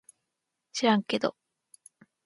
しらんけど